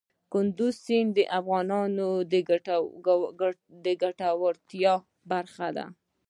کندز سیند د افغانانو د ګټورتیا برخه ده.